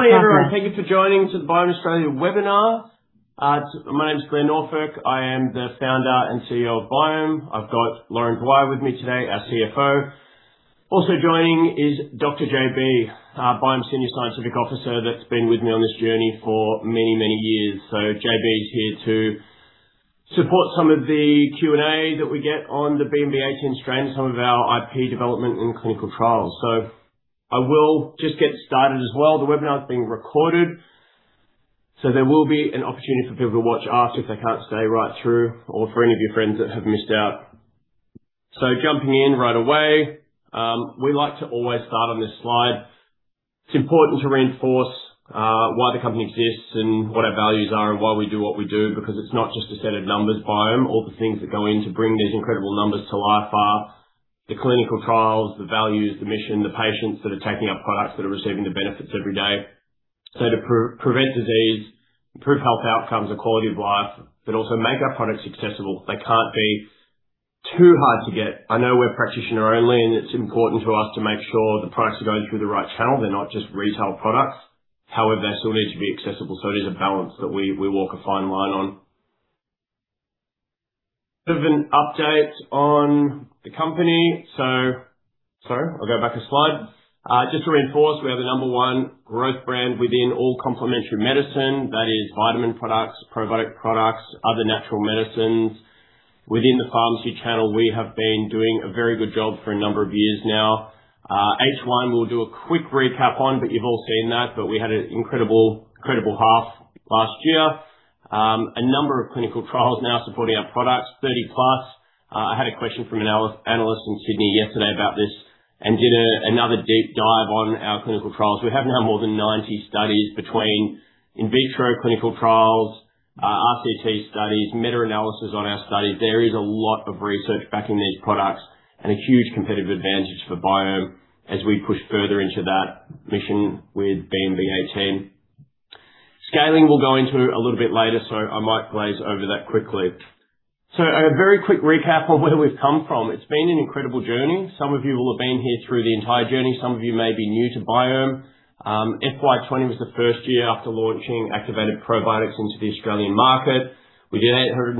Hi, everyone. Thank you for joining to the Biome Australia webinar. My name is Blair Norfolk. I am the Founder and CEO of Biome. I've got Lauren Dwyer with me today, our CFO. Also joining is Dr. J.B., Biome Senior Scientific Officer, that's been with me on this journey for many, many years. J.B. is here to support some of the Q&A that we get on the BMB18 strain, some of our IP development and clinical trials. I will just get started as well. The webinar is being recorded, so there will be an opportunity for people to watch after if they can't stay right through or for any of your friends that have missed out. Jumping in right away. We like to always start on this slide. It's important to reinforce why the company exists and what our values are and why we do what we do, because it's not just a set of numbers, Biome, all the things that go in to bring these incredible numbers to life are the clinical trials, the values, the mission, the patients that are taking our products, that are receiving the benefits every day. To prevent disease, improve health outcomes and quality of life, but also make our products accessible. They can't be too hard to get. I know we're practitioner-only. It's important to us to make sure the products are going through the right channel. They're not just retail products. However, they still need to be accessible. It is a balance that we walk a fine line on. Bit of an update on the company. Sorry, I'll go back a slide. Just to reinforce, we are the number one growth brand within all Complementary Medicine. That is vitamin products, probiotic products, other natural medicines. Within the pharmacy channel, we have been doing a very good job for a number of years now. H1, we'll do a quick recap on. You've all seen that. We had an incredible half last year. A number of clinical trials now supporting our products, 30+. I had a question from an analyst in Sydney yesterday about this and did another deep dive on our clinical trials. We have now more than 90 studies between in vitro clinical trials, RCT studies, meta-analysis on our studies. There is a lot of research backing these products and a huge competitive advantage for Biome as we push further into that mission with BMB18. Scaling, we'll go into a little bit later. I might glaze over that quickly. A very quick recap on where we've come from. It's been an incredible journey. Some of you will have been here through the entire journey. Some of you may be new to Biome. FY 2020 was the first year after launching Activated Probiotics into the Australian market. We did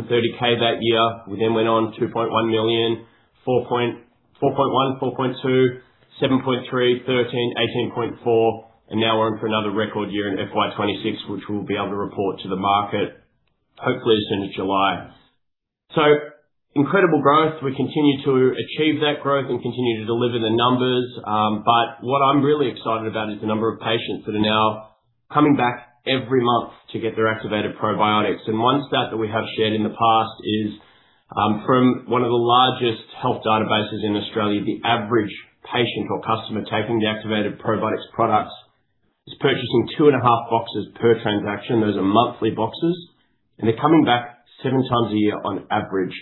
830,000 that year. We went on to 2.1 million, 4.1 million, 4.2 million, 7.3 million, 13 million, 18.4 million. Now we're on for another record year in FY 2026, which we'll be able to report to the market, hopefully as soon as July. Incredible growth. We continue to achieve that growth and continue to deliver the numbers. What I'm really excited about is the number of patients that are now coming back every month to get their Activated Probiotics. One stat that we have shared in the past is from one of the largest health databases in Australia, the average patient or customer taking the Activated Probiotics products is purchasing two and a half boxes per transaction. Those are monthly boxes, and they're coming back seven times a year on average.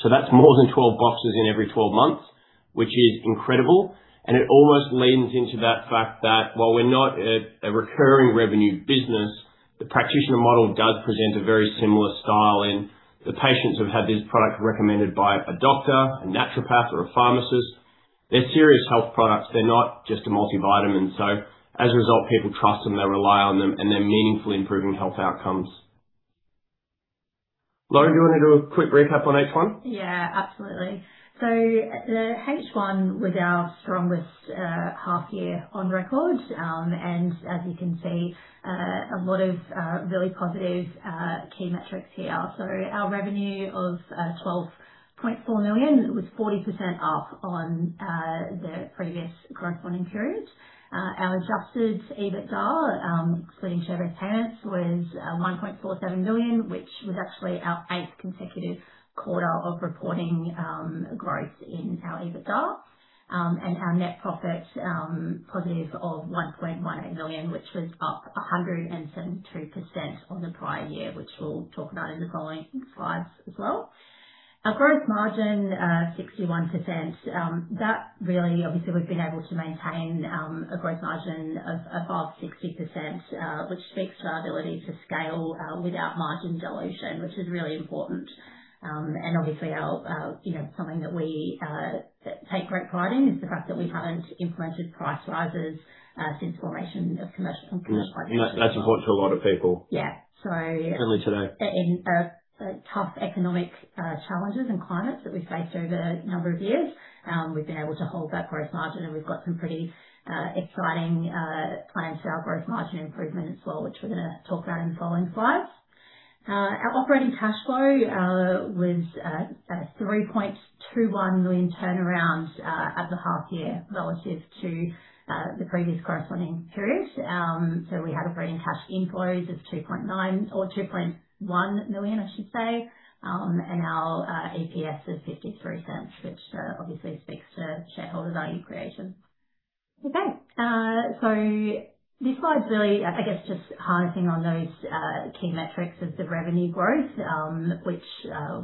That's more than 12 boxes in every 12 months, which is incredible, and it almost leans into that fact that while we're not a recurring revenue business, the practitioner model does present a very similar style in the patients who have had this product recommended by a doctor, a naturopath, or a pharmacist. They're serious health products. They're not just a multivitamin. As a result, people trust them, they rely on them, and they're meaningfully improving health outcomes. Lauren, do you want to do a quick recap on H1? Yeah, absolutely. H1 was our strongest half year on record. As you can see, a lot of really positive key metrics here. Our revenue of 12.4 million was 40% up on the previous corresponding period. Our adjusted EBITDA, excluding share-based payments, was 1.47 million, which was actually our 8th consecutive quarter of reporting growth in our EBITDA. Our net profit positive of 1.18 million, which was up 172% on the prior year, which we'll talk about in the following slides as well. Our gross margin, 61%. That really, obviously, we've been able to maintain a gross margin of above 60%, which speaks to our ability to scale without margin dilution, which is really important. Obviously something that we take great pride in is the fact that we haven't implemented price rises since formation of commercial. That's important to a lot of people. Yeah. Certainly today. In tough economic challenges and climates that we faced over a number of years, we've been able to hold that growth margin, and we've got some pretty exciting plans for our growth margin improvement as well, which we're going to talk about in the following slides. Our operating cash flow was a 3.21 million turnaround at the half year relative to the previous corresponding period. We had operating cash inflows of 2.9 million or 2.1 million, I should say. Our EPS of 0.53, which obviously speaks to shareholder value creation. This slide's really, I guess, just harping on those key metrics of the revenue growth, which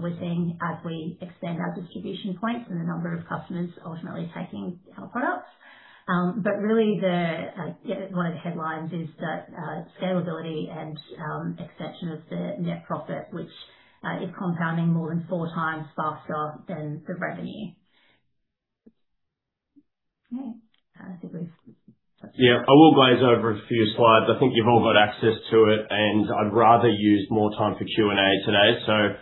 we're seeing as we extend our distribution points and the number of customers ultimately taking our products. Really one of the headlines is that scalability and exception of the net profit, which is compounding more than four times faster than the revenue. Okay. Yeah. I will glaze over a few slides. I think you've all got access to it, and I'd rather use more time for Q&A today.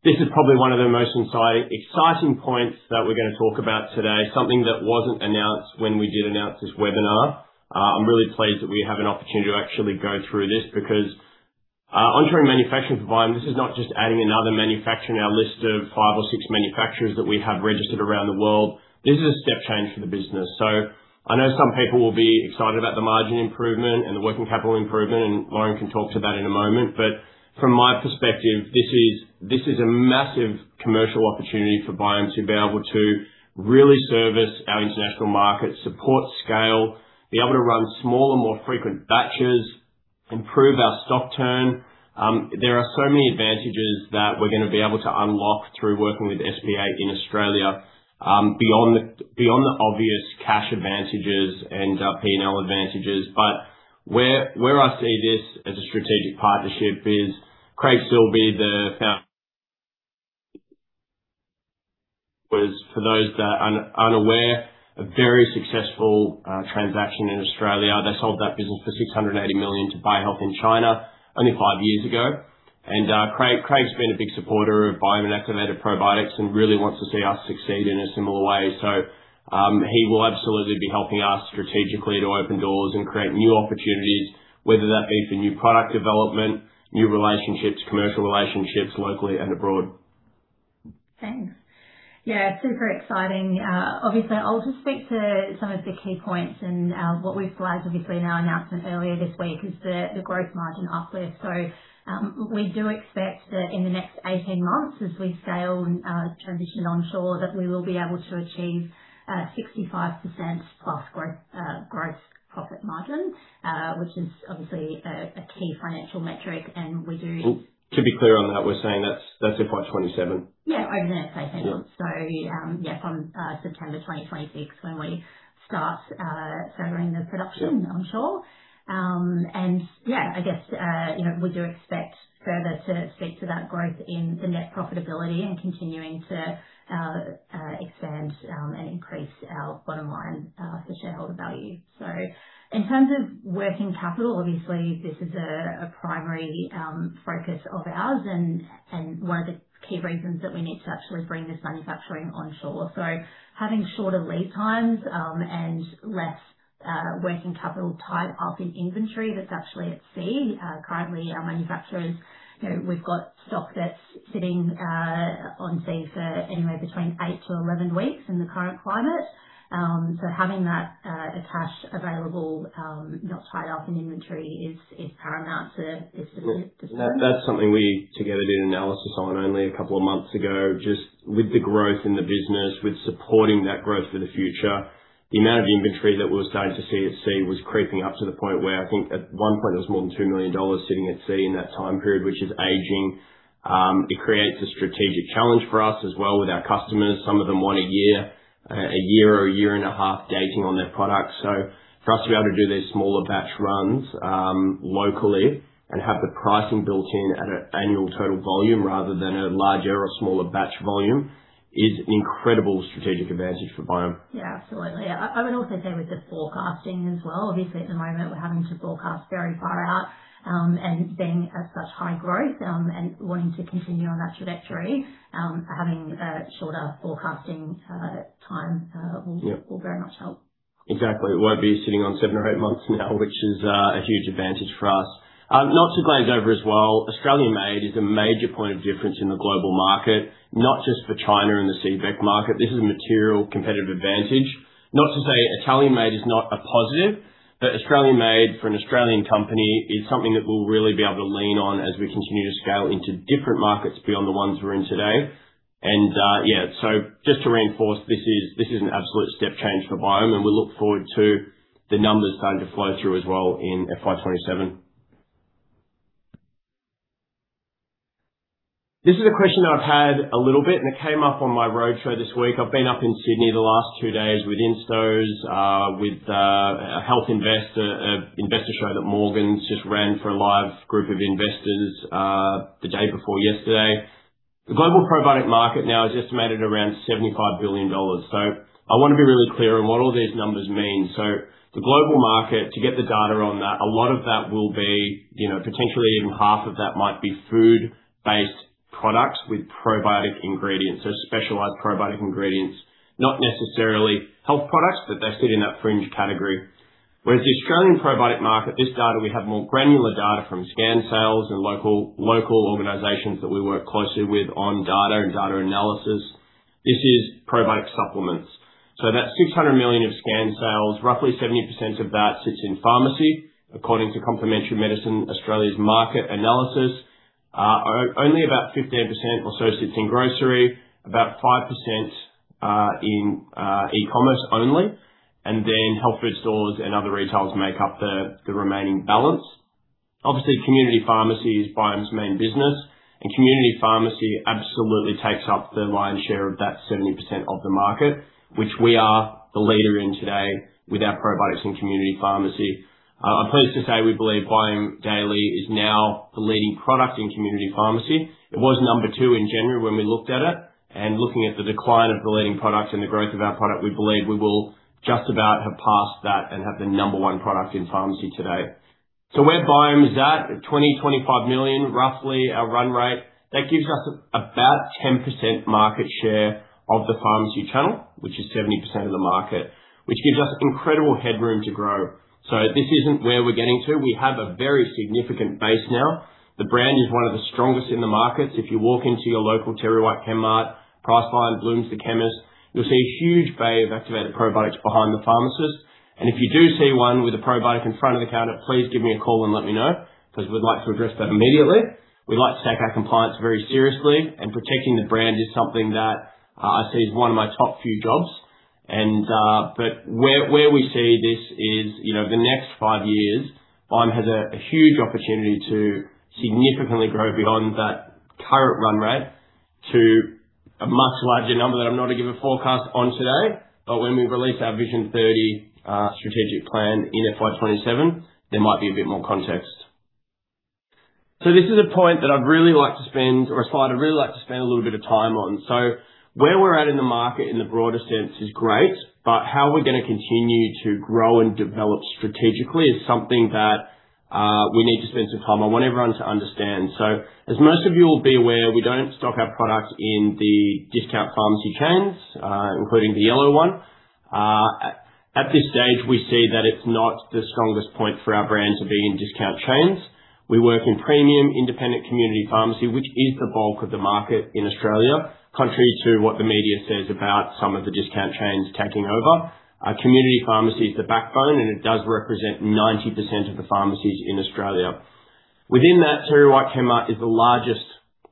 This is probably one of the most exciting points that we're going to talk about today, something that wasn't announced when we did announce this webinar. I'm really pleased that we have an opportunity to actually go through this, because onshoring manufacturing for Biome, this is not just adding another manufacturer in our list of five or six manufacturers that we have registered around the world. This is a step change for the business. I know some people will be excited about the margin improvement and the working capital improvement, and Lauren can talk to that in a moment. From my perspective, this is a massive commercial opportunity for Biome to be able to really service our international market, support scale, be able to run smaller, more frequent batches, improve our stock turn. There are so many advantages that we're going to be able to unlock through working with SPA in Australia, beyond the obvious cash advantages and P&L advantages. Where I see this as a strategic partnership is Craig Silbery, the founder was, for those that are unaware, a very successful transaction in Australia. They sold that business for 680 million to By-Health in China only five years ago. Craig's been a big supporter of Biome and Activated Probiotics and really wants to see us succeed in a similar way. He will absolutely be helping us strategically to open doors and create new opportunities, whether that be for new product development, new relationships, commercial relationships, locally and abroad. Thanks. Yeah, super exciting. Obviously, I'll just speak to some of the key points and what we flagged, obviously, in our announcement earlier this week, is the growth margin uplift. We do expect that in the next 18 months, as we scale and transition onshore, that we will be able to achieve 65%+ gross profit margin, which is obviously a key financial metric. To be clear on that, we're saying that's FY 2027. Yeah, over the next 18 months. Yeah. Yes, from September 2026, when we start furthering the production onshore. Yeah, I guess, we do expect further to speak to that growth in the net profitability and continuing to expand and increase our bottom line for shareholder value. In terms of working capital, obviously this is a primary focus of ours and one of the key reasons that we need to actually bring this manufacturing onshore. Having shorter lead times, and less working capital tied up in inventory that's actually at sea. Currently, our manufacturers, we've got stock that's sitting on sea for anywhere between 8 to 11 weeks in the current climate. Having that as cash available, not tied up in inventory is paramount to success. That's something we, together, did analysis on only a couple of months ago. Just with the growth in the business, with supporting that growth for the future. The amount of inventory that we were starting to see at sea was creeping up to the point where I think at one point it was more than 2 million dollars sitting at sea in that time period, which is aging. It creates a strategic challenge for us as well with our customers. Some of them want a year or a year and a half dating on their products. For us to be able to do these smaller batch runs locally and have the pricing built in at an annual total volume rather than a larger or smaller batch volume is incredible strategic advantage for Biome. Yeah, absolutely. I would also say with the forecasting as well, obviously at the moment we're having to forecast very far out, and being at such high growth, and wanting to continue on that trajectory. Yeah. Will very much help. Exactly. It won't be sitting on seven or eight months now, which is a huge advantage for us. Not to glaze over as well, Australian Made is a major point of difference in the global market, not just for China and the CBEC market. This is a material competitive advantage. Not to say Italian Made is not a positive, but Australian Made for an Australian company is something that we'll really be able to lean on as we continue to scale into different markets beyond the ones we're in today. Yeah. Just to reinforce, this is an absolute step change for Biome, and we look forward to the numbers starting to flow through as well in FY 2027. This is a question that I've had a little bit, and it came up on my roadshow this week. I've been up in Sydney the last two days with instos, with HealthInvestor, an investor show that Morgans just ran for a live group of investors the day before yesterday. The global probiotic market now is estimated around 75 billion dollars. I want to be really clear on what all these numbers mean. The global market, to get the data on that, a lot of that will be potentially even half of that might be food-based products with probiotic ingredients or specialized probiotic ingredients, not necessarily health products, but they sit in that fringe category. Whereas the Australian probiotic market, this data, we have more granular data from scan sales and local organizations that we work closely with on data and data analysis. This is probiotic supplements. That's 600 million of scan sales. Roughly 70% of that sits in pharmacy, according to Complementary Medicines Australia's market analysis. Only about 15% or so sits in grocery, about 5% in e-commerce only, and then health food stores and other retailers make up the remaining balance. Obviously, community pharmacy is Biome's main business, and community pharmacy absolutely takes up the lion's share of that 70% of the market, which we are the leader in today. With our probiotics in community pharmacy, I'm pleased to say we believe Biome Daily is now the leading product in community pharmacy. It was number two in January when we looked at it, and looking at the decline of the leading product and the growth of our product, we believe we will just about have passed that and have the number one product in pharmacy today. Where Biome is at 20 million-25 million, roughly our run rate, that gives us about 10% market share of the pharmacy channel, which is 70% of the market, which gives us incredible headroom to grow. This isn't where we're getting to. We have a very significant base now. The brand is one of the strongest in the market. If you walk into your local TerryWhite Chemmart, Priceline, Blooms The Chemist, you'll see a huge bay of Activated Probiotics behind the pharmacist. If you do see one with a probiotic in front of the counter, please give me a call and let me know, because we'd like to address that immediately. We like to take our compliance very seriously, and protecting the brand is something that I see as one of my top few jobs. Where we see this is the next five years, Biome has a huge opportunity to significantly grow beyond that current run rate to a much larger number that I'm not going to give a forecast on today. When we release our Vision 30 strategic plan in FY 2027, there might be a bit more context. This is a point that I'd really like to spend, or a slide I'd really like to spend a little bit of time on. Where we're at in the market in the broader sense is great, but how we're going to continue to grow and develop strategically is something that we need to spend some time on. I want everyone to understand. As most of you will be aware, we don't stock our products in the discount pharmacy chains, including the yellow one. At this stage, we see that it's not the strongest point for our brand to be in discount chains. We work in premium independent community pharmacy, which is the bulk of the market in Australia, contrary to what the media says about some of the discount chains taking over. Community pharmacy is the backbone, it does represent 90% of the pharmacies in Australia. Within that, TerryWhite Chemmart is the largest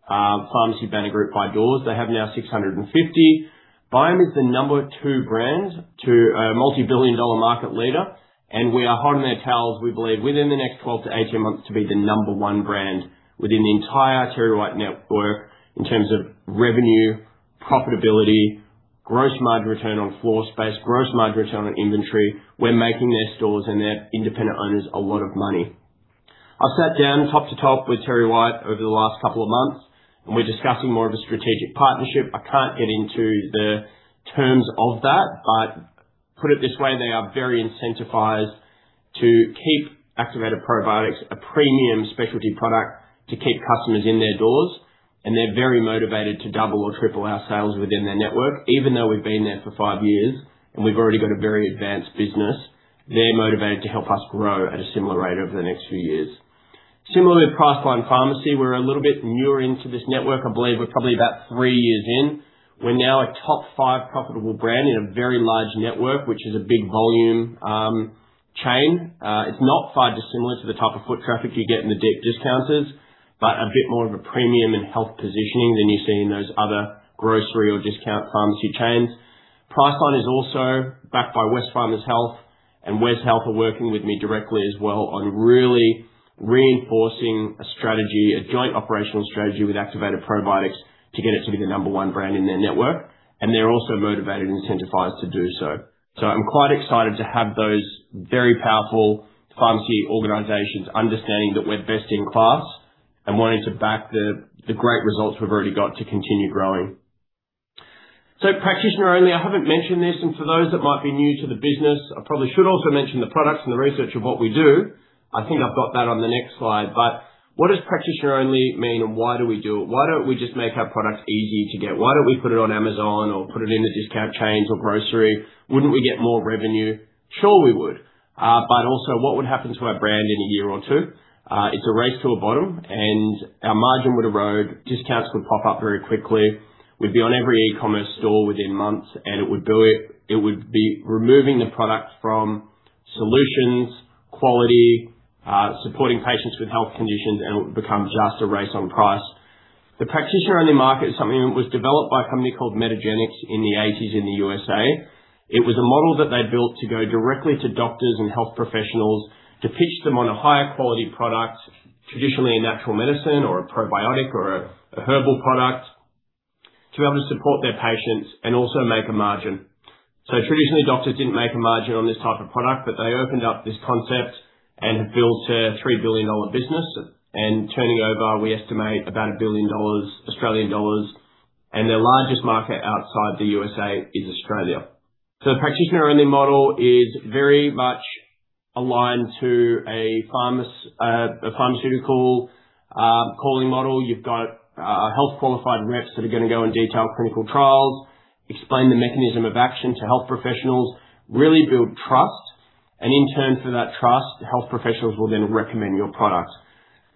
pharmacy banner group by doors. They have now 650. Biome is the number two brand to a multi-billion dollar market leader, we are hot on their tails, we believe within the next 12-18 months to be the number one brand within the entire Terry White network in terms of revenue, profitability, gross margin return on floor space, gross margin return on inventory. We're making their stores and their independent owners a lot of money. I've sat down top to top with TerryWhite over the last couple of months, we're discussing more of a strategic partnership. I can't get into the terms of that, put it this way, they are very incentivized to keep Activated Probiotics a premium specialty product to keep customers in their doors. They're very motivated to double or triple our sales within their network. Even though we've been there for five years and we've already got a very advanced business, they're motivated to help us grow at a similar rate over the next few years. Similarly with Priceline Pharmacy, we're a little bit newer into this network. I believe we're probably about three years in. We're now a top five profitable brand in a very large network, which is a big volume chain. It's not far dissimilar to the type of foot traffic you get in the deep discounters, but a bit more of a premium and health positioning than you see in those other grocery or discount pharmacy chains. Priceline is also backed by Wesfarmers Health. Wesfarmers Health are working with me directly as well on really reinforcing a strategy, a joint operational strategy with Activated Probiotics to get it to be the number one brand in their network. They're also motivated and incentivized to do so. I'm quite excited to have those very powerful pharmacy organizations understanding that we're best in class and wanting to back the great results we've already got to continue growing. Practitioner-only, I haven't mentioned this. For those that might be new to the business, I probably should also mention the products and the research of what we do. I think I've got that on the next slide. What does practitioner-only mean, and why do we do it? Why don't we just make our products easy to get? Why don't we put it on Amazon or put it in the discount chains or grocery? Wouldn't we get more revenue? Sure we would. Also, what would happen to our brand in a year or two? It's a race to the bottom, and our margin would erode. Discounts would pop up very quickly. We'd be on every e-commerce store within months, and it would be removing the product from solutions, quality, supporting patients with health conditions, and it would become just a race on price. The practitioner-only market is something that was developed by a company called Metagenics in the 1980s in the USA. It was a model that they built to go directly to doctors and health professionals to pitch them on a higher quality product, traditionally a natural medicine or a probiotic or a herbal product, to be able to support their patients and also make a margin. Traditionally, doctors didn't make a margin on this type of product, but they opened up this concept and have built an 3 billion dollar business and turning over, we estimate about 1 billion dollars, and their largest market outside the U.S. is Australia. The practitioner-only model is very much aligned to a pharmaceutical calling model. You've got health qualified reps that are going to go and detail clinical trials, explain the mechanism of action to health professionals, really build trust. In turn for that trust, health professionals will then recommend your products.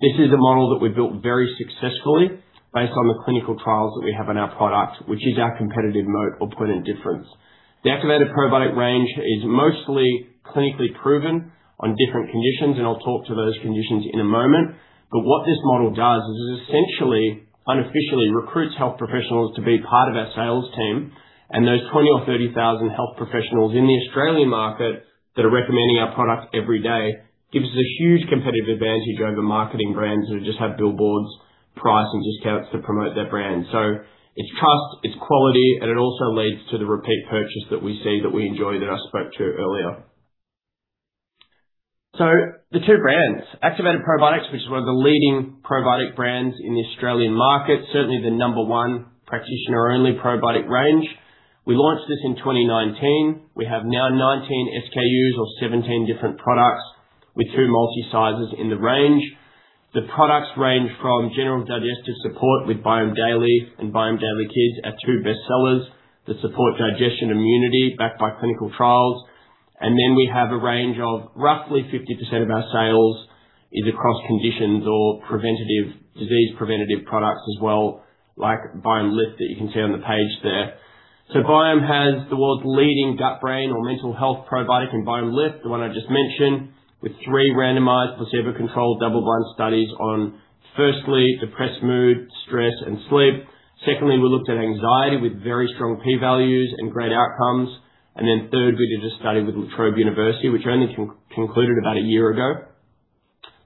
This is a model that we've built very successfully based on the clinical trials that we have on our product, which is our competitive moat or point of difference. The Activated Probiotics range is mostly clinically proven on different conditions. I'll talk to those conditions in a moment. What this model does is it essentially unofficially recruits health professionals to be part of our sales team. Those 20,000 or 30,000 health professionals in the Australian market that are recommending our product every day gives us a huge competitive advantage over marketing brands that just have billboards, Priceline and discounts to promote their brand. It's trust, it's quality. It also leads to the repeat purchase that we see, that we enjoy, that I spoke to earlier. The two brands, Activated Probiotics, which is one of the leading probiotic brands in the Australian market, certainly the number one practitioner-only probiotic range. We launched this in 2019. We have now 19 SKUs or 17 different products with two multi-sizes in the range. The products range from general digestive support with Biome Daily and Biome Daily Kids, our two best sellers that support digestion immunity backed by clinical trials. We have a range of roughly 50% of our sales is across conditions or preventative disease preventative products as well, like Biome Lift that you can see on the page there. Biome has the world's leading gut, brain or mental health probiotic in Biome Lift, the one I just mentioned, with three randomized placebo-controlled double-blind studies on firstly, depressed mood, stress, and sleep. Secondly, we looked at anxiety with very strong P values and great outcomes. Third, we did a study with La Trobe University, which only concluded about a year ago,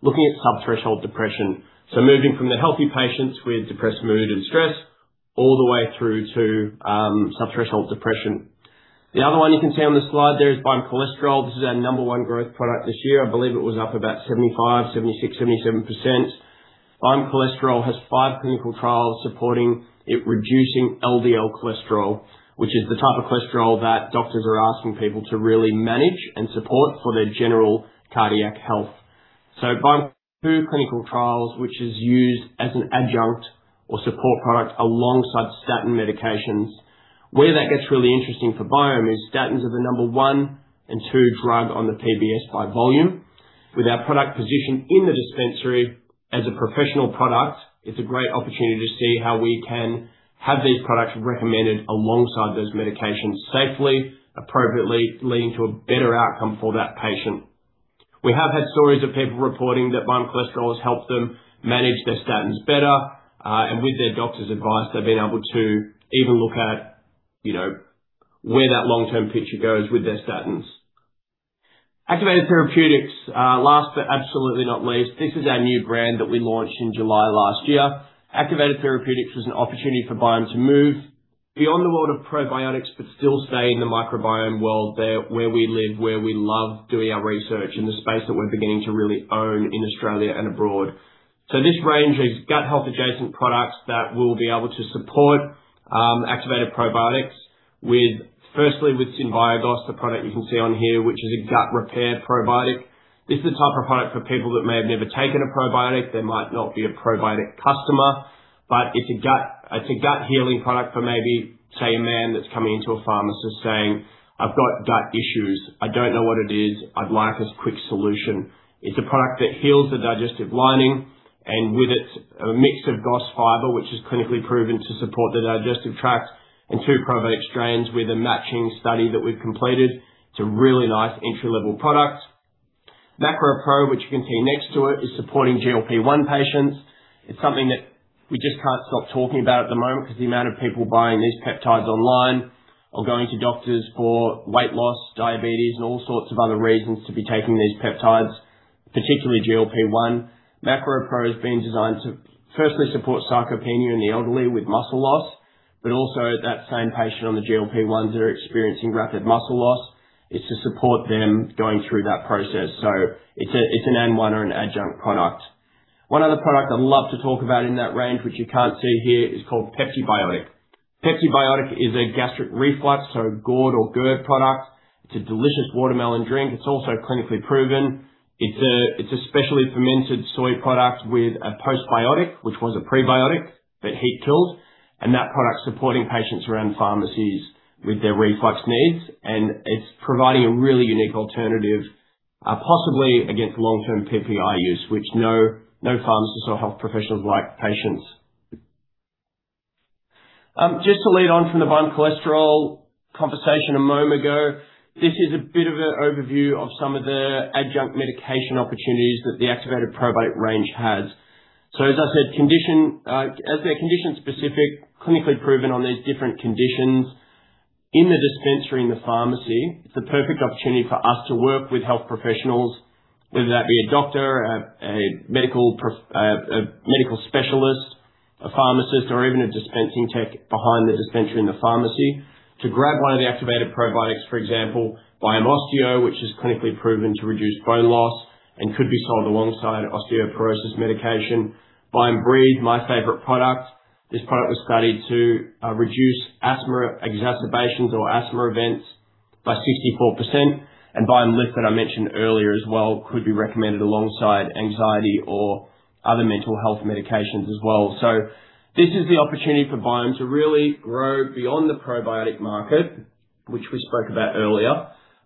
looking at sub-threshold depression. Moving from the healthy patients with depressed mood and stress all the way through to sub-threshold depression. The other one you can see on the slide there is Biome Cholesterol. This is our number 1 growth product this year. I believe it was up about 75%, 76%, 77%. Biome Cholesterol has five clinical trials supporting it reducing LDL cholesterol, which is the type of cholesterol that doctors are asking people to really manage and support for their general cardiac health. Biome, two clinical trials, which is used as an adjunct or support product alongside statin medications. Where that gets really interesting for Biome is statins are the number one and two drug on the PBS by volume. With our product positioned in the dispensary as a professional product, it's a great opportunity to see how we can have these products recommended alongside those medications safely, appropriately, leading to a better outcome for that patient. We have had stories of people reporting that Biome Cholesterol has helped them manage their statins better, and with their doctor's advice, they've been able to even look at where that long-term picture goes with their statins. Activated Therapeutics, last but absolutely not least, this is our new brand that we launched in July last year. Activated Therapeutics was an opportunity for Biome to move beyond the world of probiotics, but still stay in the microbiome world there where we live, where we love doing our research, and the space that we're beginning to really own in Australia and abroad. This range is gut health adjacent products that will be able to support Activated Probiotics, firstly with Synbio-GOS, the product you can see on here, which is a gut repair probiotic. This is the type of product for people that may have never taken a probiotic. They might not be a probiotic customer, but it's a gut healing product for maybe, say, a man that's coming into a pharmacist saying, "I've got gut issues. I don't know what it is. I'd like a quick solution." It's a product that heals the digestive lining, and with it, a mix of GOS fiber, which is clinically proven to support the digestive tract in two probiotic strains with a matching study that we've completed. It's a really nice entry-level product. Macro-PRO, which you can see next to it, is supporting GLP-1 patients. It's something that we just can't stop talking about at the moment because the amount of people buying these peptides online or going to doctors for weight loss, diabetes, and all sorts of other reasons to be taking these peptides, particularly GLP-1. Macro-PRO has been designed to firstly support sarcopenia in the elderly with muscle loss, but also that same patient on the GLP-1s that are experiencing rapid muscle loss. It's to support them going through that process. It's an N one or an adjunct product. One other product I'd love to talk about in that range, which you can't see here, is called Pepti-BIOTIC. Pepti-BIOTIC is a gastric reflux, GORD or GERD product. It's a delicious watermelon drink. It's also clinically proven. It's a specially fermented soy product with a postbiotic, which was a prebiotic but heat killed. That product's supporting patients around pharmacies with their reflux needs. It's providing a really unique alternative, possibly against long-term PPI use, which no pharmacist or health professionals like patients. Just to lead on from the Biome Cholesterol conversation a moment ago, this is a bit of an overview of some of the adjunct medication opportunities that the Activated Probiotics range has. As I said, as they're condition-specific, clinically proven on these different conditions in the dispensary, in the pharmacy, it's a perfect opportunity for us to work with health professionals, whether that be a doctor, a medical specialist, a pharmacist, or even a dispensing tech behind the dispensary in the pharmacy to grab one of the Activated Probiotics, for example, Biome Osteo, which is clinically proven to reduce bone loss and could be sold alongside osteoporosis medication. Biome Breathe, my favorite product. This product was studied to reduce asthma exacerbations or asthma events by 64%. Biome Lift that I mentioned earlier as well, could be recommended alongside anxiety or other mental health medications as well. This is the opportunity for Biome to really grow beyond the probiotic market, which we spoke about earlier.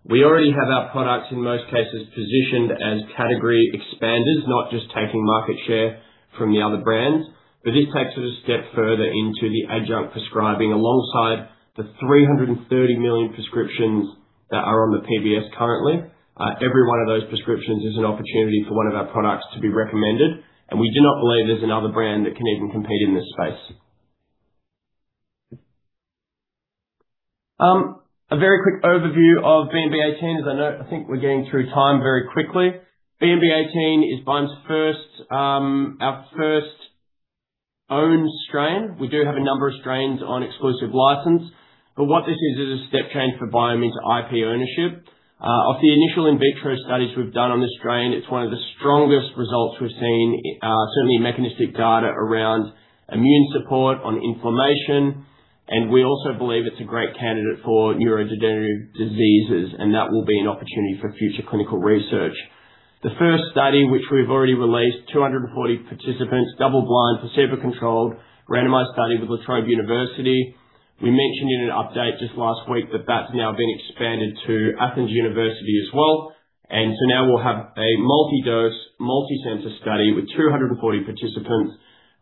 We already have our products, in most cases, positioned as category expanders, not just taking market share from the other brands, but this takes it a step further into the adjunct prescribing alongside the 330 million prescriptions that are on the PBS currently. Every one of those prescriptions is an opportunity for one of our products to be recommended, and we do not believe there's another brand that can even compete in this space. A very quick overview of BMB18, as I know, I think we're getting through time very quickly. BMB18 is Biome's first, our first owned strain. We do have a number of strains on exclusive license. What this is a step change for Biome into IP ownership. Of the initial in vitro studies we've done on this strain, it's one of the strongest results we've seen, certainly in mechanistic data around immune support, on inflammation, and we also believe it's a great candidate for neurodegenerative diseases, and that will be an opportunity for future clinical research. The first study, which we've already released, 240 participants, double-blind, placebo-controlled, randomized study with La Trobe University. We mentioned in an update just last week that that's now been expanded to Athens University as well. Now we'll have a multi-dose, multi-center study with 240 participants.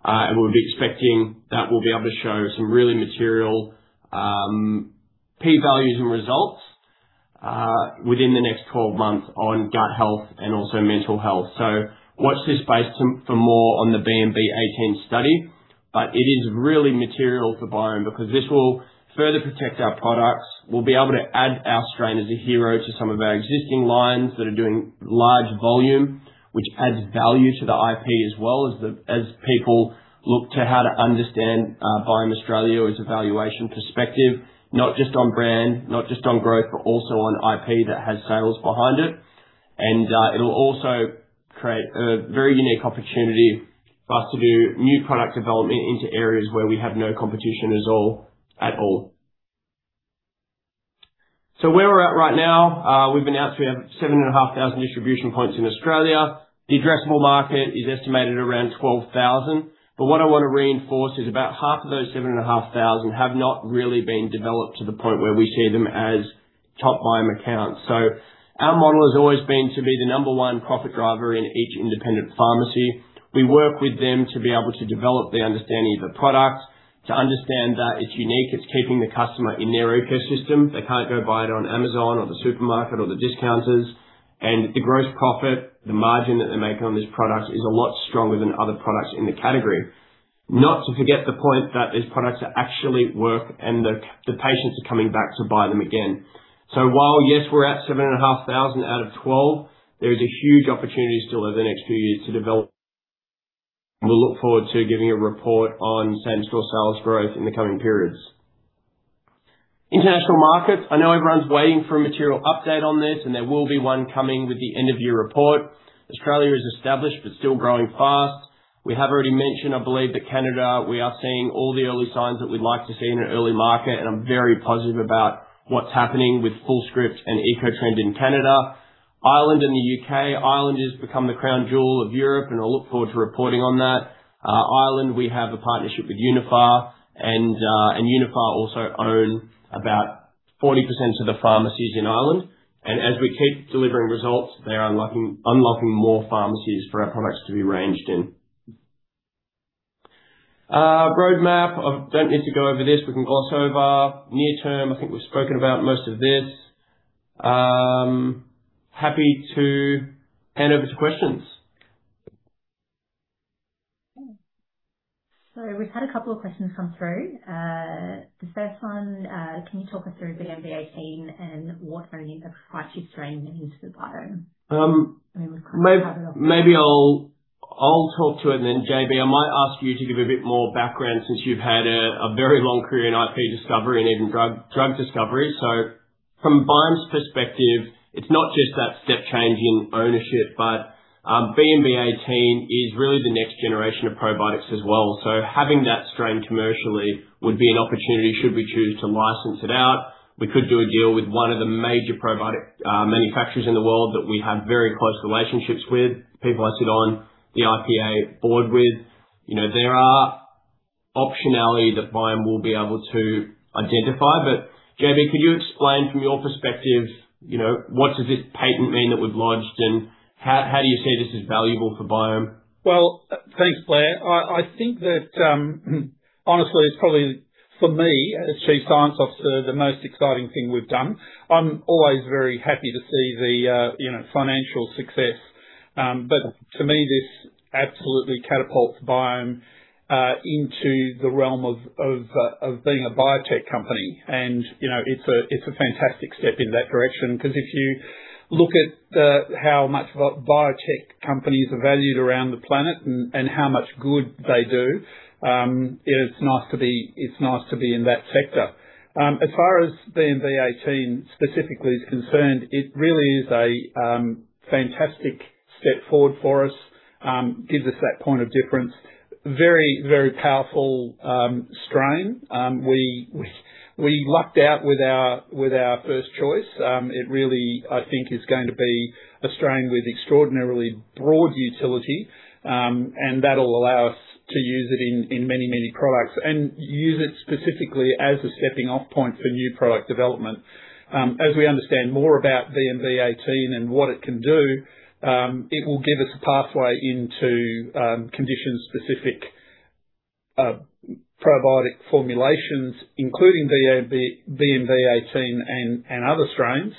We'll be expecting that we'll be able to show some really material P values and results within the next 12 months on gut health and also mental health. Watch this space for more on the BMB18 study. It is really material for Biome because this will further protect our products. We'll be able to add our strain as a hero to some of our existing lines that are doing large volume, which adds value to the IP as well as people look to how to understand Biome Australia as a valuation perspective, not just on brand, not just on growth, but also on IP that has sales behind it. It'll also create a very unique opportunity for us to do new product development into areas where we have no competition at all. Where we're at right now, we've announced we have 7,500 distribution points in Australia. The addressable market is estimated around 12,000. What I want to reinforce is about half of those 7,500 have not really been developed to the point where we see them as top Biome accounts. Our model has always been to be the number one profit driver in each independent pharmacy. We work with them to be able to develop their understanding of the products, to understand that it's unique, it's keeping the customer in their ecosystem. They can't go buy it on Amazon or the supermarket or the discounters. The gross profit, the margin that they make on this product is a lot stronger than other products in the category. Not to forget the point that these products actually work and the patients are coming back to buy them again. While, yes, we're at 7,500 out of 12, there is a huge opportunity still over the next few years to develop. We look forward to giving a report on same-store sales growth in the coming periods. International markets. I know everyone's waiting for a material update on this, and there will be one coming with the end of year report. Australia is established but still growing fast. We have already mentioned, I believe, that Canada, we are seeing all the early signs that we'd like to see in an early market, and I'm very positive about what's happening with Fullscript and EcoTrend in Canada. Ireland and the U.K. Ireland has become the crown jewel of Europe, and I look forward to reporting on that. Ireland, we have a partnership with Uniphar, and Uniphar also own about 40% of the pharmacies in Ireland. As we keep delivering results, they are unlocking more pharmacies for our products to be ranged in. Roadmap. I don't need to go over this. We can gloss over. Near term, I think we've spoken about most of this. Happy to hand over to questions. We've had a couple of questions come through. The first one, can you talk us through BMB18 and what kind of impact probiotics strains into the Biome? Maybe I'll talk to it, J.B., I might ask you to give a bit more background since you've had a very long career in IP discovery and even drug discovery. From Biome's perspective, it's not just that step change in ownership, BMB18 is really the next generation of probiotics as well. Having that strain commercially would be an opportunity should we choose to license it out. We could do a deal with one of the major probiotic manufacturers in the world that we have very close relationships with, people I sit on the IPA board with. There are optionality that Biome will be able to identify. J.B., can you explain from your perspective, what does this patent mean that we've lodged, and how do you see this as valuable for Biome? Well, thanks, Blair. I think that, honestly, it's probably for me, as chief science officer, the most exciting thing we've done. I'm always very happy to see the financial success. To me, this absolutely catapults Biome into the realm of being a biotech company. It's a fantastic step in that direction because if you look at how much biotech companies are valued around the planet and how much good they do, it's nice to be in that sector. As far as BMB18 specifically is concerned, it really is a fantastic step forward for us. Gives us that point of difference. Very, very powerful strain. We lucked out with our first choice. It really, I think, is going to be a strain with extraordinarily broad utility, and that'll allow us to use it in many, many products and use it specifically as a stepping-off point for new product development. As we understand more about BMB18 and what it can do, it will give us a pathway into condition-specific probiotic formulations, including BMB18 and other strains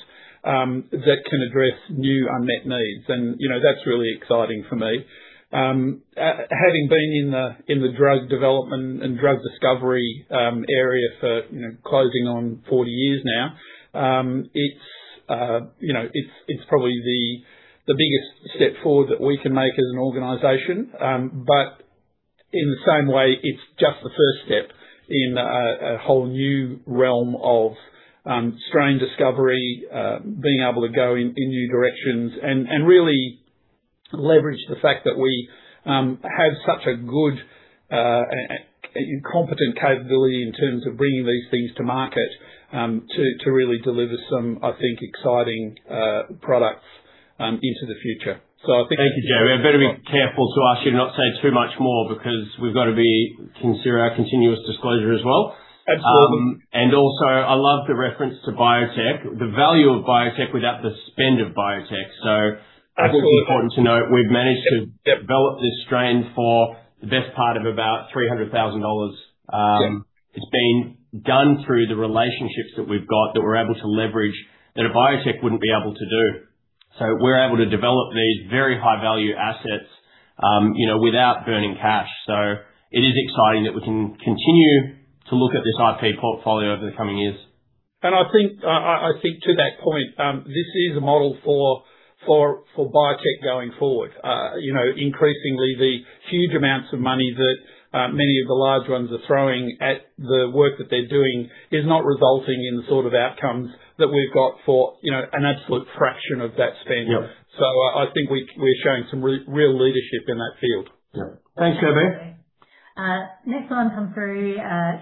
that can address new unmet needs, and that's really exciting for me. Having been in the drug development and drug discovery area for closing on 40 years now, it's probably the biggest step forward that we can make as an organization. In the same way, it's just the first step in a whole new realm of strain discovery, being able to go in new directions and really leverage the fact that we have such a good and competent capability in terms of bringing these things to market, to really deliver some, I think, exciting products into the future. Thank you, J.B. I better be careful to ask you to not say too much more because we've got to consider our continuous disclosure as well. Absolutely. Also, I love the reference to biotech. The value of biotech without the spend of biotech. I think it's important to note we've managed to develop this strain for the best part of about 300,000 dollars. Yeah. It's been done through the relationships that we've got, that we're able to leverage, that a biotech wouldn't be able to do. We're able to develop these very high-value assets without burning cash. It is exciting that we can continue to look at this IP portfolio over the coming years. I think to that point, this is a model for biotech going forward. Increasingly, the huge amounts of money that many of the large ones are throwing at the work that they're doing is not resulting in the sort of outcomes that we've got for an absolute fraction of that spend. Yeah. I think we're showing some real leadership in that field. Yeah. Thanks, J.B. Thanks, J.B. Next one come through,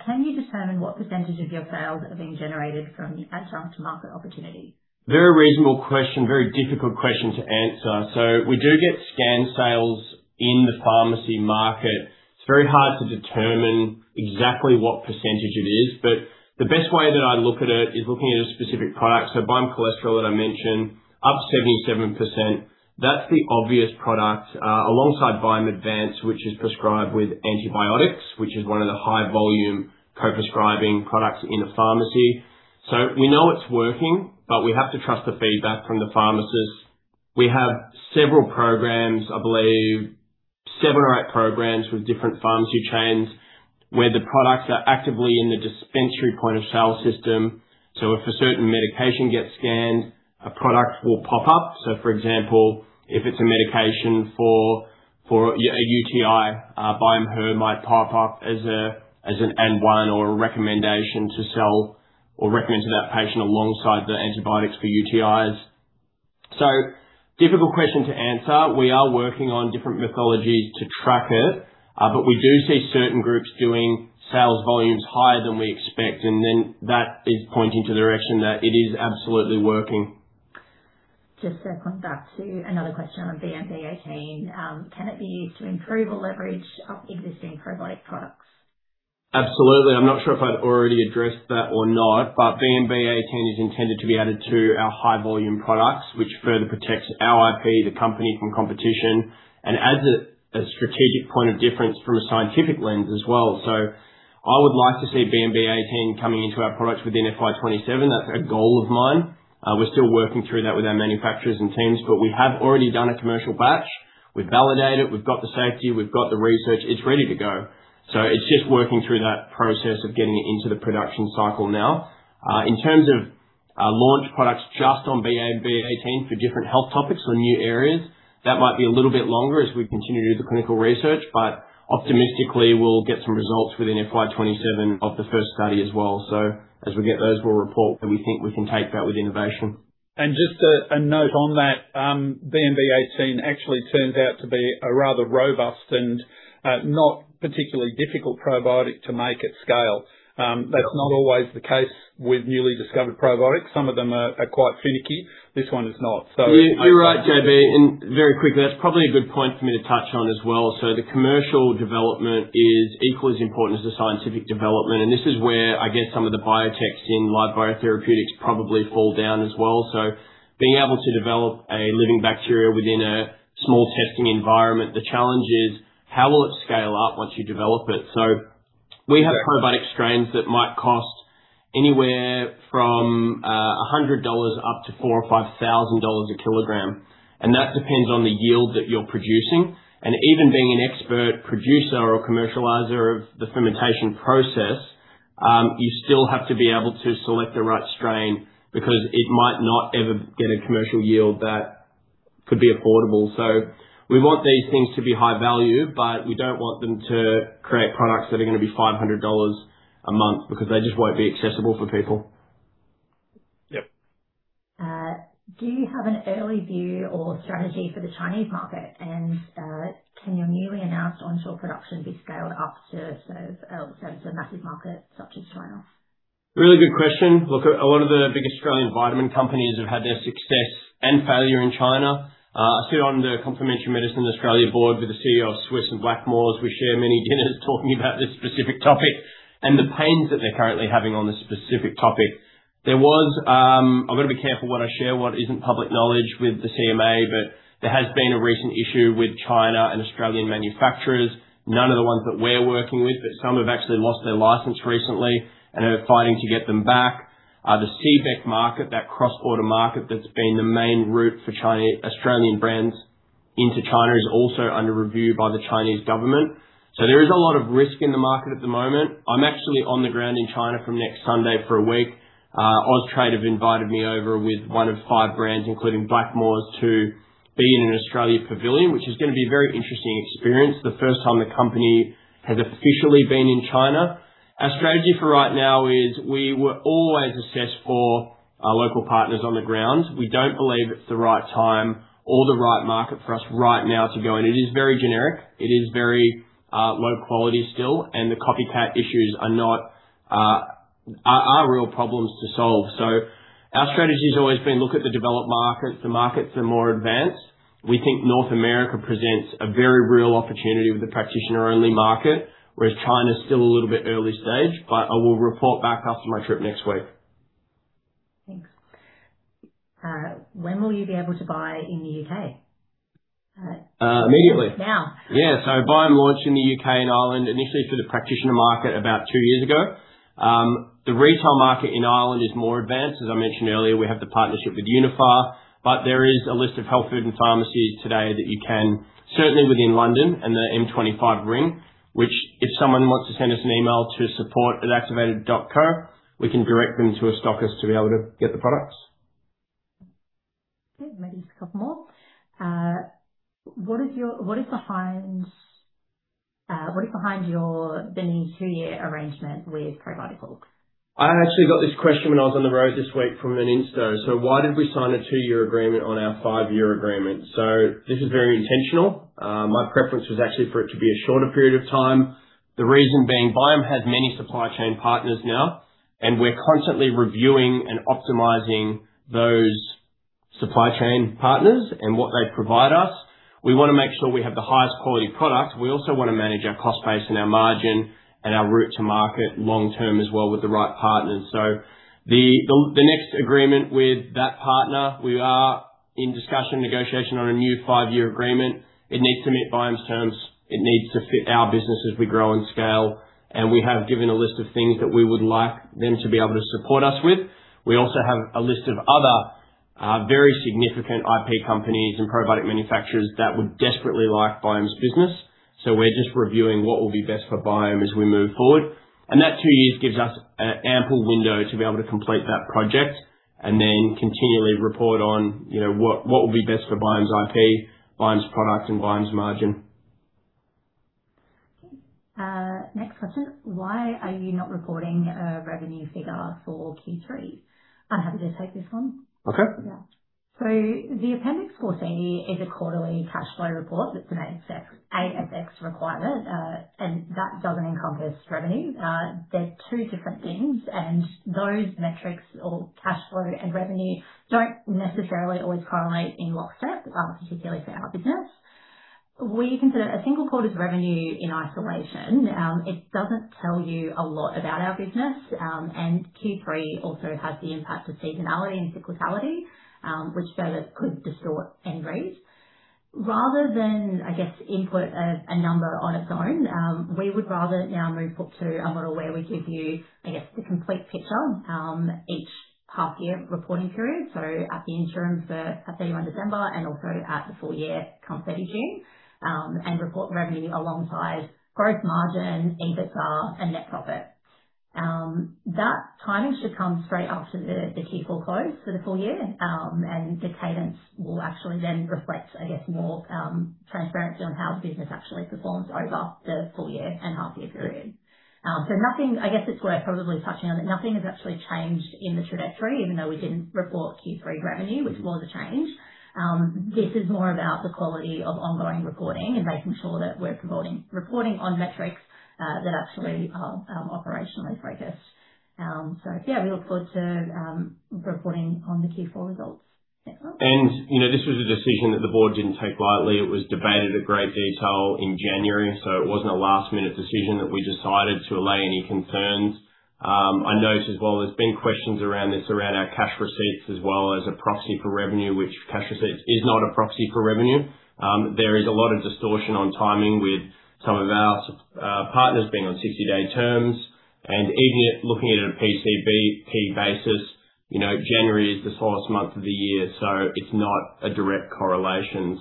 can you determine what % of your sales are being generated from the add-on-to-market opportunity? Very reasonable question. Very difficult question to answer. We do get scan sales in the pharmacy market. It's very hard to determine exactly what % it is, but the best way that I look at it is looking at a specific product. Biome Cholesterol that I mentioned, up 77%, that's the obvious product, alongside Biome Advanced, which is prescribed with antibiotics, which is one of the high volume co-prescribing products in a pharmacy. We know it's working, but we have to trust the feedback from the pharmacist. We have several programs, I believe seven or eight programs with different pharmacy chains, where the products are actively in the dispensary point-of-sale system. If a certain medication gets scanned, a product will pop up. For example, if it's a medication for a UTI, Biome Her might pop up as an N of one or a recommendation to sell or recommend to that patient alongside the antibiotics for UTIs. Difficult question to answer. We are working on different methodologies to track it. We do see certain groups doing sales volumes higher than we expect, and then that is pointing to the direction that it is absolutely working. Just circling back to another question on BMB18. Can it be used to improve or leverage existing probiotic products? Absolutely. I'm not sure if I've already addressed that or not. BMB18 is intended to be added to our high-volume products, which further protects our IP, the company from competition, and adds a strategic point of difference from a scientific lens as well. I would like to see BMB18 coming into our products within FY 2027. That's a goal of mine. We're still working through that with our manufacturers and teams. We have already done a commercial batch. We've validated, we've got the safety, we've got the research. It's ready to go. It's just working through that process of getting it into the production cycle now. In terms of launch products, just on BMB18 for different health topics or new areas, that might be a little bit longer as we continue to do the clinical research, but optimistically, we'll get some results within FY 2027 of the first study as well. As we get those, we'll report where we think we can take that with innovation. Just a note on that, BMB18 actually turns out to be a rather robust and not particularly difficult probiotic to make at scale. Yeah. That's not always the case with newly discovered probiotics. Some of them are quite finicky. This one is not. You're right, J.B. Very quickly, that's probably a good point for me to touch on as well. The commercial development is equally as important as the scientific development, and this is where I guess some of the biotechs in live biotherapeutics probably fall down as well. Being able to develop a living bacteria within a small testing environment, the challenge is how will it scale up once you develop it? We have probiotic strains that might cost anywhere from 100 dollars up to 4,000 or 5,000 dollars a kilogram, and that depends on the yield that you're producing. Even being an expert producer or commercializer of the fermentation process, you still have to be able to select the right strain because it might not ever get a commercial yield that could be affordable. We want these things to be high value, but we don't want them to create products that are going to be 500 dollars a month because they just won't be accessible for people. Yep. Do you have an early view or strategy for the Chinese market? Can your newly announced onshore production be scaled up to serve massive markets such as China? Really good question. Look, a lot of the big Australian vitamin companies have had their success and failure in China. I sit on the Complementary Medicines Australia board with the CEO of Swisse and Blackmores. We share many dinners talking about this specific topic and the pains that they're currently having on this specific topic. I've got to be careful what I share, what isn't public knowledge with the CMA, but there has been a recent issue with China and Australian manufacturers. None of the ones that we're working with, but some have actually lost their license recently and are fighting to get them back. The CBEC market, that cross-border market that's been the main route for Australian brands into China is also under review by the Chinese government. There is a lot of risk in the market at the moment. I'm actually on the ground in China from next Sunday for a week. Austrade have invited me over with one of five brands, including Blackmores, to be in an Australia pavilion, which is going to be a very interesting experience. The first time the company has officially been in China. Our strategy for right now is we will always assess for our local partners on the ground. We don't believe it's the right time or the right market for us right now to go in. It is very generic. It is very low quality still, the copycat issues are real problems to solve. Our strategy has always been look at the developed markets, the markets that are more advanced. We think North America presents a very real opportunity with a practitioner-only market, whereas China's still a little bit early stage. I will report back after my trip next week. Thanks. When will you be able to buy in the U.K.? Immediately. Now. Yeah. Biome launched in the U.K. and Ireland initially through the practitioner market about two years ago. The retail market in Ireland is more advanced. As I mentioned earlier, we have the partnership with Uniphar, there is a list of health food and pharmacies today that you can, certainly within London and the M25 ring, which if someone wants to send us an email to support@activated.co, we can direct them to a stockist to be able to get the products. Okay, maybe just a couple more. What is behind your benign two-year arrangement with probiotics? I actually got this question when I was on the road this week from an insto. Why did we sign a two-year agreement on our five-year agreement? This is very intentional. My preference was actually for it to be a shorter period of time. The reason being, Biome has many supply chain partners now, and we're constantly reviewing and optimizing those supply chain partners and what they provide us. We want to make sure we have the highest quality product. We also want to manage our cost base and our margin and our route to market long term as well with the right partners. The next agreement with that partner, we are in discussion, negotiation on a new five-year agreement. It needs to meet Biome's terms. It needs to fit our business as we grow and scale, and we have given a list of things that we would like them to be able to support us with. We also have a list of other very significant IP companies and probiotic manufacturers that would desperately like Biome's business. We're just reviewing what will be best for Biome as we move forward. That two years gives us an ample window to be able to complete that project and then continually report on what will be best for Biome's IP, Biome's product, and Biome's margin. Okay. Next question. Why are you not reporting a revenue figure for Q3? I am happy to take this one. Okay. The Appendix 4C is a quarterly cash flow report that's an ASX requirement, and that doesn't encompass revenue. They're two different things, those metrics or cash flow and revenue don't necessarily always correlate in lockstep, particularly for our business. When you consider a single quarter's revenue in isolation, it doesn't tell you a lot about our business. Q3 also has the impact of seasonality and cyclicality, which further could distort end rates. Rather than, I guess, input a number on its own, we would rather now move up to a model where we give you, I guess, the complete picture, each half year reporting period, so at the interim for 31 December and also at the full year come 30 June, and report the revenue alongside gross margin, EBITDA, and net profit. That timing should come straight after the Q4 close for the full year. The cadence will actually then reflect, I guess, more transparency on how the business actually performs over the full year and half year period. I guess it's worth probably touching on that nothing has actually changed in the trajectory, even though we didn't report Q3 revenue, which was a change. This is more about the quality of ongoing reporting and making sure that we're reporting on metrics that actually are operationally focused. Yeah, we look forward to reporting on the Q4 results. This was a decision that the board didn't take lightly. It was debated at great detail in January, it wasn't a last-minute decision that we decided to allay any concerns. I note as well, there's been questions around this around our cash receipts as well as a proxy for revenue, which cash receipts is not a proxy for revenue. There is a lot of distortion on timing with some of our partners being on 60-day terms, even looking at it on a PCP basis, January is the slowest month of the year, it's not a direct correlation.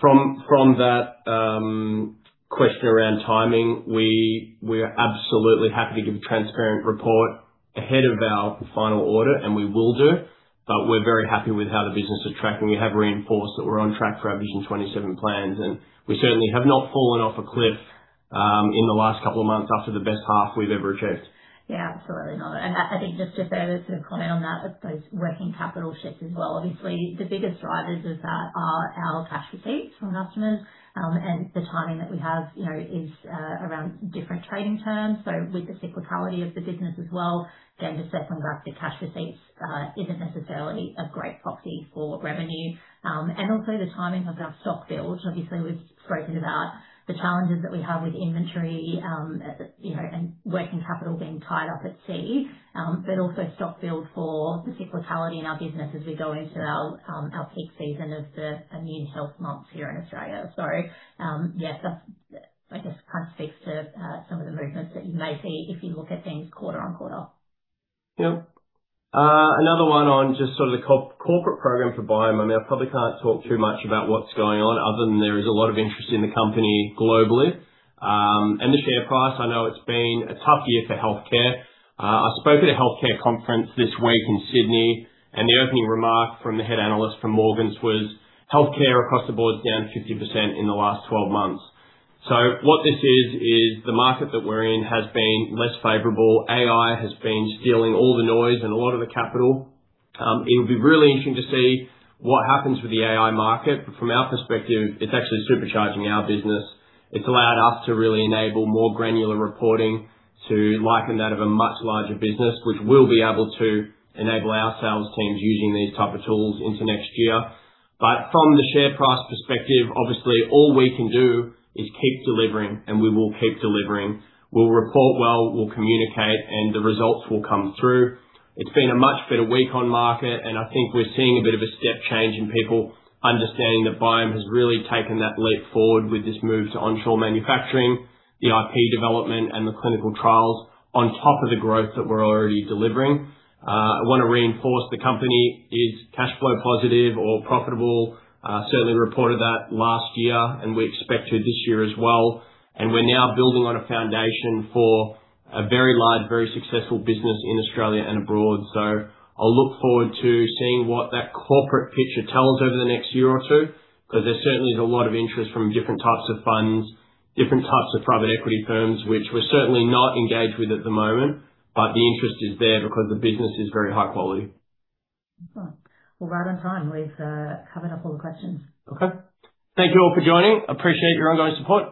From that question around timing, we are absolutely happy to give a transparent report ahead of our final audit, we will do. We're very happy with how the business is tracking. We have reinforced that we're on track for our Vision 27 plans, and we certainly have not fallen off a cliff, in the last couple of months after the best half we've ever achieved. Yeah, absolutely not. I think just to further comment on that, those working capital shifts as well. Obviously, the biggest drivers of that are our cash receipts from customers. The timing that we have is around different trading terms. With the cyclicality of the business as well, again, just circling back to cash receipts isn't necessarily a great proxy for revenue. Also the timing of our stock build. Obviously, we've spoken about the challenges that we have with inventory, and working capital being tied up at sea, but also stock build for the cyclicality in our business as we go into our peak season of the immune health months here in Australia. Yeah, that I guess kind of speaks to some of the movements that you may see if you look at things quarter on quarter. Yeah. Another one on just sort of the corporate program for Biome. I mean, I probably can't talk too much about what's going on other than there is a lot of interest in the company globally. The share price, I know it's been a tough year for healthcare. I spoke at a healthcare conference this week in Sydney, the opening remark from the head analyst from Morgans was, "Healthcare across the board is down 50% in the last 12 months." What this is the market that we're in has been less favorable. AI has been stealing all the noise and a lot of the capital. It'll be really interesting to see what happens with the AI market. From our perspective, it's actually supercharging our business. It's allowed us to really enable more granular reporting to liken that of a much larger business, which we'll be able to enable our sales teams using these type of tools into next year. From the share price perspective, obviously all we can do is keep delivering, and we will keep delivering. We'll report well, we'll communicate, and the results will come through. It's been a much better week on market, and I think we're seeing a bit of a step change in people understanding that Biome has really taken that leap forward with this move to onshore manufacturing, the IP development, and the clinical trials on top of the growth that we're already delivering. I want to reinforce the company is cash flow positive or profitable. Certainly reported that last year, and we expect to this year as well. We're now building on a foundation for a very large, very successful business in Australia and abroad. I'll look forward to seeing what that corporate picture tells over the next year or two, because there certainly is a lot of interest from different types of funds, different types of private equity firms, which we're certainly not engaged with at the moment. The interest is there because the business is very high quality. Well, right on time. We've covered up all the questions. Okay. Thank you all for joining. Appreciate your ongoing support.